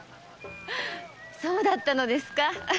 そうだったのですか。